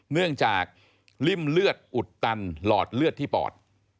เนื่องจากริ่มเลือดอุดตันหลอดเลือดที่ปอด